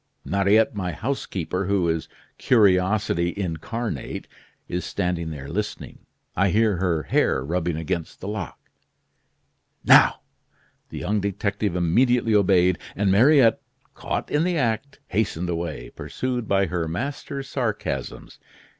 Mariette, my housekeeper, who is curiosity incarnate, is standing there listening. I hear her hair rubbing against the lock. Now!" The young detective immediately obeyed, and Mariette, caught in the act, hastened away, pursued by her master's sarcasms.